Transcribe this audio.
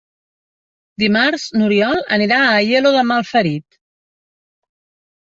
Dimarts n'Oriol anirà a Aielo de Malferit.